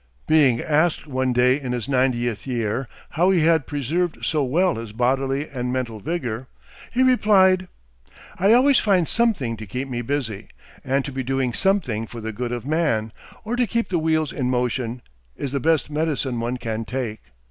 Being asked one day in his ninetieth year, how he had preserved so well his bodily and mental vigor, he replied: "I always find something to keep me busy; and to be doing something for the good of man, or to keep the wheels in motion, is the best medicine one can take.